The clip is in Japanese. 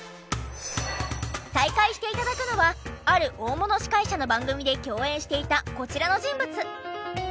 再会して頂くのはある大物司会者の番組で共演していたこちらの人物。